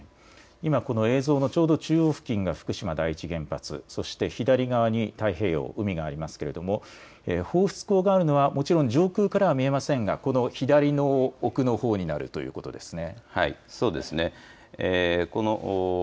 今この映像の中央付近が福島第一原発、そして左側に太平洋、海がありますけど放出口があるのはもちろん上空から見えませんが左の奥の方になるということですね。